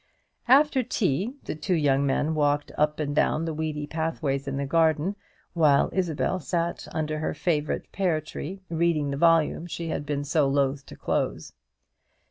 After tea the two young men walked up and down the weedy pathways in the garden, while Isabel sat under her favourite pear tree reading the volume she had been so loth to close.